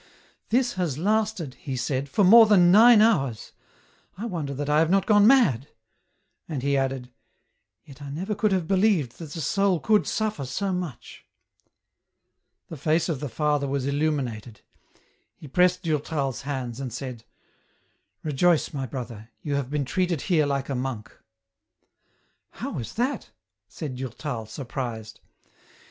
" This has lasted," he said, " for more than nine hours ; I wonder that I have not gone mad ;" and he added, " Yet I never could have believed that the soul could suffer so much." 250 EN ROUTE. The face of the father was illuminated. He pressed Dur tal's hands and said, " Rejoice, my brother, you have been treated here like a monk." " How is that ?" said Durtal, surprised.